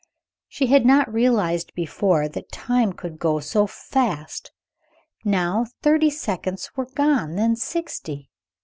She had not realized before that time could go so fast. Now thirty seconds were gone; then sixty.